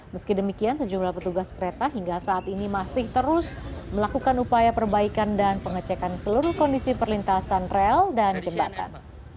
meski demikian sejumlah petugas kereta hingga saat ini masih terus melakukan upaya perbaikan dan pengecekan seluruh kondisi perlintasan rel dan jembatan